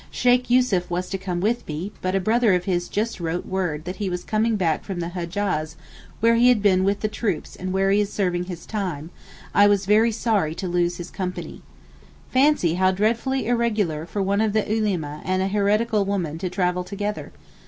Sheykh Yussuf was to come with me, but a brother of his just wrote word that he was coming back from the Hejaz where he had been with the troops in which he is serving his time; I was very sorry to lose his company. Fancy how dreadfully irregular for one of the Ulema and a heretical woman to travel together.